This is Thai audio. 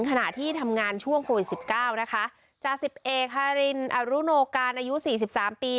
ขณะที่ทำงานช่วงโควิดสิบเก้านะคะจาสิบเอกฮารินอรุโนการอายุสี่สิบสามปี